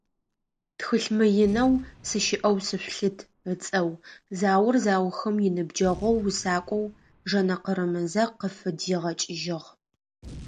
Тхылъ мыинэу «Сыщыӏэу сышъулъыт» ыцӏэу заор заухым иныбджэгъоу усакӏоу Жэнэ Къырымызэ къыфыдигъэкӏыжьыгъ.